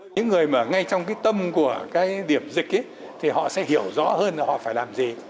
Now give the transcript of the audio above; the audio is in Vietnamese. những người mà ngay trong cái tâm của cái điểm dịch ấy thì họ sẽ hiểu rõ hơn là họ phải làm gì